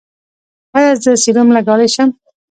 ایا زه سیروم لګولی شم؟